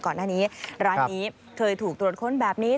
ก่อนหน้านี้ร้านนี้เคยถูกตรวจค้นแบบนี้